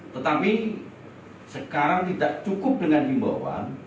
tetapi sekarang tidak cukup dengan himbauan